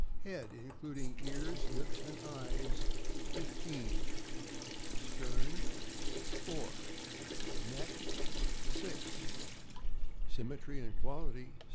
Head, including ears, lips, and eyes . 15 Stern 4 Neck 6 Symmetry and quality